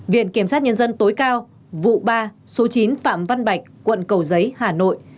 viện kiểm sát nhân dân tối cao vụ ba số chín phạm văn bạch quận cầu giấy hà nội